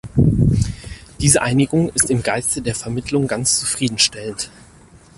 Diese Einigung ist im Geiste der Vermittlung ganz zufrieden stellend.